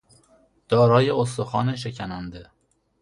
دارای استخوان شکننده